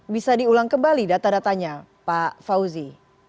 bisa diulang kembali data datanya pak fauzi